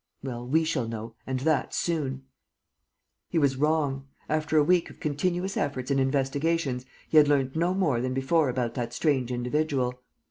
"Well, we shall know; and that soon." He was wrong. After a week of continuous efforts and investigations, he had learnt no more than before about that strange individual.